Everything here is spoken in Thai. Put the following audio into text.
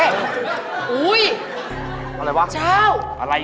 อะไรวะกล่าวอะไรกันแล้วเจ้าเฮ่ย